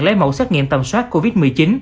lấy mẫu xét nghiệm tầm soát covid một mươi chín